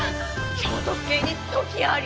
「京都府警に時矢あり」！